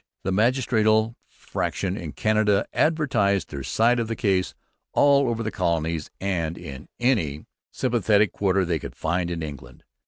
The magisterial faction in Canada advertised their side of the case all over the colonies and in any sympathetic quarter they could find in England.